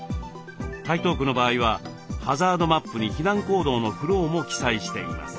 台東区の場合はハザードマップに避難行動のフローも記載しています。